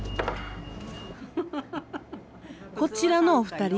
こちらのお二人。